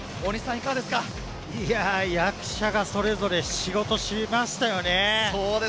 いや、役者がそれぞれ仕事をしましたよね。